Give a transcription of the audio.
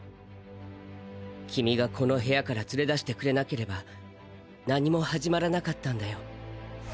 君がこの部屋から連れ出してくれなければ何も始まらなかったんだよ。